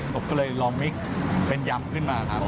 ผมก็เลยลองมิกเป็นยำขึ้นมาครับ